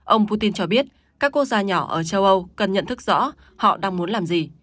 ông putin cho biết các quốc gia nhỏ ở châu âu cần nhận thức rõ họ đang muốn làm gì